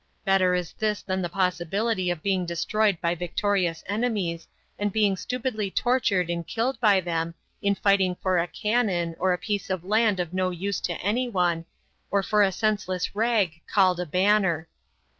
Better is this than the possibility of being destroyed by victorious enemies, and being stupidly tortured and killed by them, in fighting for a cannon, or a piece of land of no use to anyone, or for a senseless rag called a banner.